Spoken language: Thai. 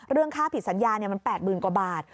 เรื่องค่าผิดสัญญามัน๘๐๐๐กว่าบาท